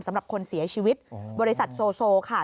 สำหรับคนเสียชีวิตบริษัทโซค่ะ